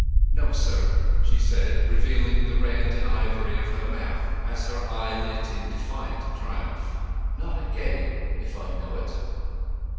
"No, sir," she said, revealing the red and ivory of her mouth as her eye lit in defiant triumph; "not again, if I know it!"